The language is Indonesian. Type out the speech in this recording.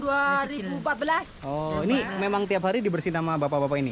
oh ini memang tiap hari dibersihin sama bapak bapak ini